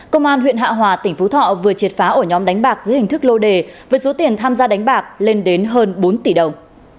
công an huyện hạ hòa tỉnh phú thọ vừa triệt phá ổ nhóm đánh bạc dưới hình thức lô đề với số tiền tham gia đánh bạc lên đến hơn bốn tỷ đồng